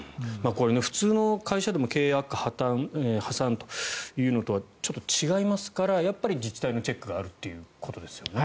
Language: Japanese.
これ、普通の会社との経営悪化、破産というのとはちょっと違いますから自治体のチェックがあるということですよね？